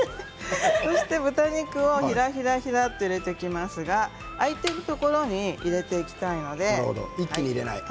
豚肉をひらひらっと入れていきますが空いているところに入れていきたいので。